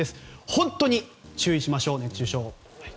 本当に注意しましょう、熱中症。